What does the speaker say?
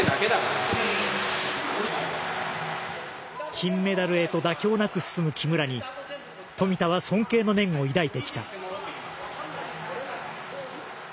金メダルへと妥協なく進む木村に富田は尊敬の念を抱いてきた。